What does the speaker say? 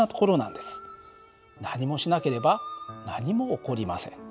何もしなければ何も起こりません。